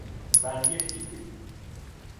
بانگێشتی کرد.